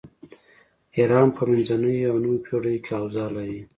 ایران په منځنیو او نویو پیړیو کې اوضاع لري.